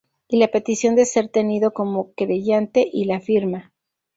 Y la petición de ser tenido como querellante y la firma.